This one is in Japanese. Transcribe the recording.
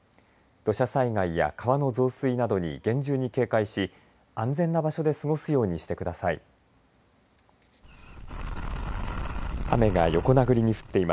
土砂災害や川の増水などに厳重に警戒し安全な場所で過ごすようにしてください。